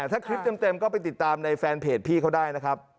ถ้าคลิปเต็มก็ไปติดตามในแฟนเพจพี่เขาได้นะครับ